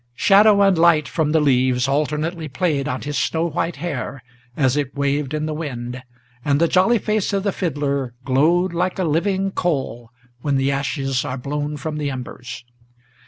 Shadow and light from the leaves alternately played on his snow white Hair, as it waved in the wind; and the jolly face of the fiddler Glowed like a living coal when the ashes are blown from the embers.